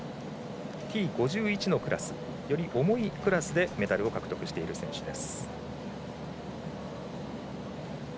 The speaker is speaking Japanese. Ｔ５１のクラスより重いクラスでメダルを獲得している選手です。